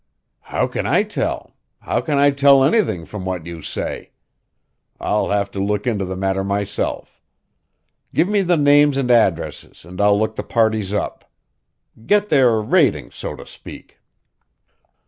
"How can I tell? How can I tell anything from what you say? I'll have to look into the matter myself. Give me the names and addresses and I'll look the parties up. Get their rating, so to speak.